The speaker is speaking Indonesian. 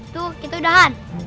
tuh kita udahan